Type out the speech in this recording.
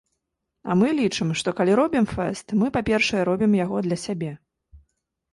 А мы лічым, што, калі робім фэст, мы, па-першае, робім яго для сябе.